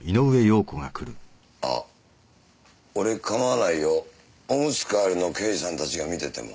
あ俺構わないよ。オムツ替えるの刑事さんたちが見てても。